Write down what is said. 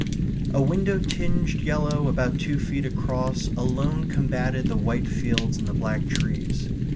A window tinged yellow about two feet across alone combated the white fields and the black trees